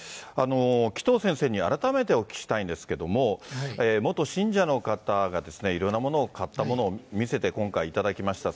紀藤先生に改めてお聞きしたいんですけれども、元信者の方が、いろんなものを、買ったものを見せて、今回、いただきました。